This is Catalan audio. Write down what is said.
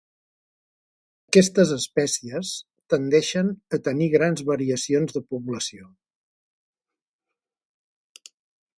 Aquestes espècies tendeixen a tenir grans variacions de població.